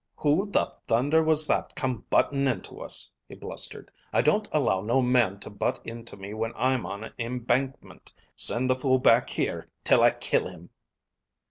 "Who the thunder was that come buttin' into us?" he blustered. "I don't allow no man to butt into me when I'm on an imbankmint. Send the fool back here till I kill him."